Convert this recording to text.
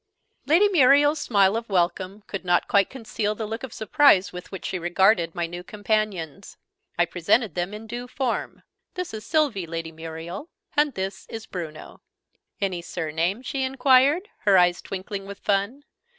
Lady Muriel's smile of welcome could not quite conceal the look of surprise with which she regarded my new companions. I presented them in due form. "This is Sylvie, Lady Muriel. And this is Bruno." "Any surname?" she enquired, her eyes twinkling with fun.